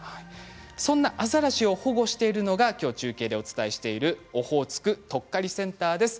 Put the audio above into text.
そんなアザラシを保護しているのがきょう中継でお伝えしているオホーツクとっかりセンターです。